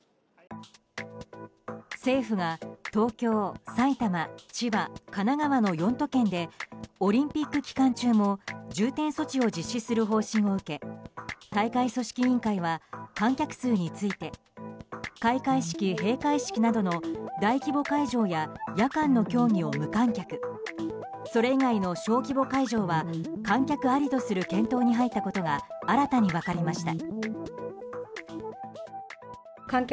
政府が東京、埼玉、千葉神奈川の４都県でオリンピック期間中も重点措置を実施する方針を受け大会組織委員会は観客数について開会式・閉会式などの大規模会場や夜間の競技を無観客それ以外の小規模会場は観客ありとする検討に入ったことが新たに分かりました。